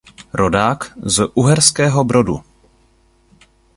Rodák z Uherského Brodu.